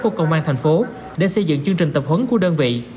của công an tp hcm để xây dựng chương trình tập huấn của đơn vị